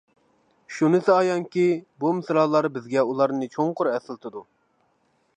شۇنىسى ئايانكى، بۇ مىسرالار بىزگە ئۇلارنى چوڭقۇر ئەسلىتىدۇ.